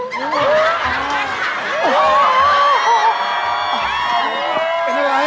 หนอยมา